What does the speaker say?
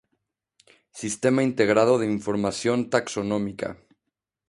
Sistema Integrado de Información Taxonómica.